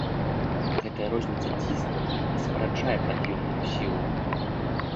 Гэтая розніца ціскаў і спараджае пад'ёмную сілу.